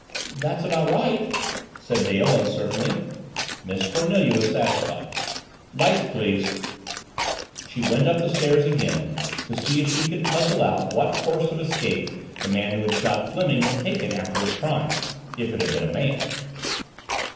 "That's about right," said Dale uncertainly. Miss Cornelia was satisfied. "Lights, please." She went up the stairs again to see if she could puzzle out what course of escape the man who had shot Fleming had taken after his crime if it had been a man.